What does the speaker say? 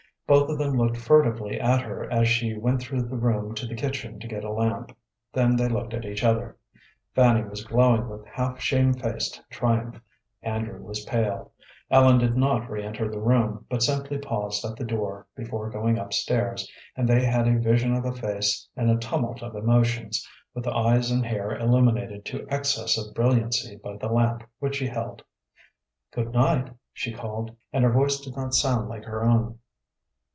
Both of them looked furtively at her as she went through the room to the kitchen to get a lamp, then they looked at each other. Fanny was glowing with half shamefaced triumph; Andrew was pale. Ellen did not re enter the room, but simply paused at the door, before going up stairs, and they had a vision of a face in a tumult of emotions, with eyes and hair illuminated to excess of brilliancy by the lamp which she held. "Good night," she called, and her voice did not sound like her own.